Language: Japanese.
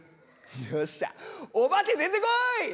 よっしゃお化け出てこい！